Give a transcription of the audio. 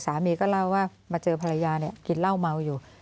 สามีก็เล่าว่ามาเจอภรรยาเนี่ยกินเหล้าเมาอยู่